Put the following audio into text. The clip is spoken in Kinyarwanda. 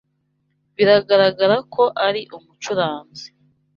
Bigaragara ko ari umucuranzi.